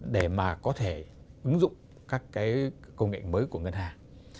để mà có thể ứng dụng các cái công nghệ mới của ngân hàng